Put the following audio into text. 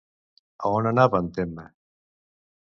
A on anava en Temme?